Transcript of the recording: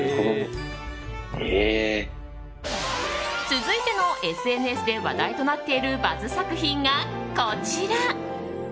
続いてのＳＮＳで話題となっているバズ作品がこちら。